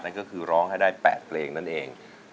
นั่นก็คือร้องให้ได้๘เพลงนั่นเอง